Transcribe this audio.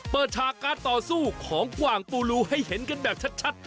ฉากการต่อสู้ของกว่างปูรูให้เห็นกันแบบชัด